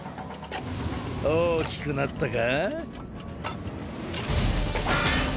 大きくなったか？